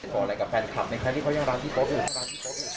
บอกอะไรกับแฟนคลับในครั้งที่เขายังรักพี่โป๊ะอื่น